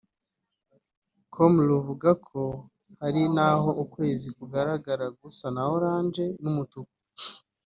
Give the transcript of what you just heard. com ruvuga ko hari n’aho ukwezi kugaragara gusa na Orange n’umutuku